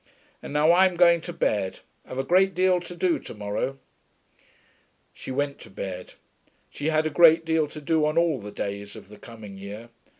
And now I'm going to bed. I've a great deal to do to morrow.' She went to bed. She had a great deal to do on all the days of the coming year.